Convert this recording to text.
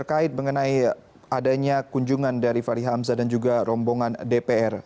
adanya kunjungan dari fahri hamzah dan juga rombongan dpr